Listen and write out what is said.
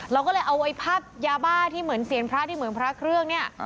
เราก็เลยเอาไอ้ภาพยาบ้าที่เหมือนเสียงพระที่เหมือนพระเครื่องเนี่ย